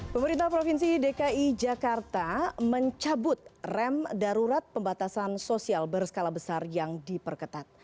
pemerintah provinsi dki jakarta mencabut rem darurat pembatasan sosial berskala besar yang diperketat